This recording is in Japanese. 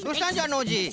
ノージー。